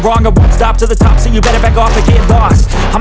pokoknya udah tiba tiba juga chol chol kita keluar